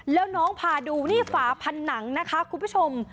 แล้วน้องพาดูนี่ฝาผนังนะคะคุณผู้ชม